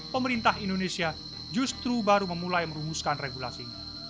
pemerintah indonesia justru baru memulai merumuskan regulasinya